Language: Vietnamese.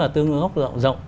tương ứng góc rộng